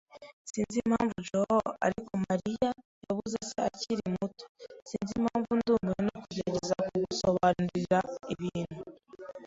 Sinzi ibya João, ariko Maria yabuze se akiri muto. Sinzi impamvu ndumiwe no kugerageza kugusobanurira ibintu.